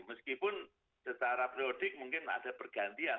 meskipun secara periodik mungkin ada pergantian